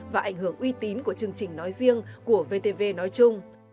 và ảnh hưởng uy tín của chương trình nói riêng của vtv nói chung